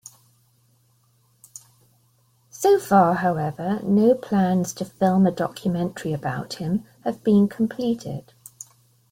So far, however, no plans to film a documentary about him have been completed.